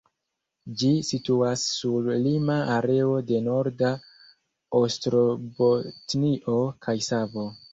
Ĝi situas sur lima areo de Norda Ostrobotnio kaj Savo.